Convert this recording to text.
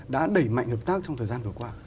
đã đẩy mạnh hợp tác trong thời gian vừa qua